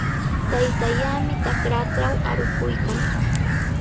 Taytallaami trakratraw arukuykan.